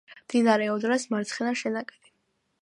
მდინარე ოდრას მარცხენა შენაკადი.